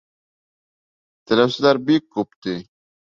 Теләүселәр бик күп, ти.